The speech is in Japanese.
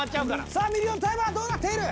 さあミリオンタイマーはどうなっている？